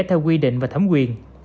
theo quy định và thẩm quyền